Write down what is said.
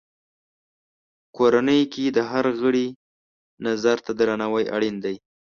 کورنۍ کې د هر غړي نظر ته درناوی اړین دی.